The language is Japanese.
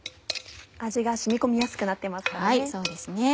味が染み込みやすくなっていますからね。